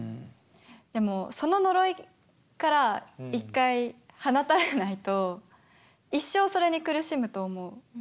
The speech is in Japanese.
でもその呪いから一回放たれないと一生それに苦しむと思う。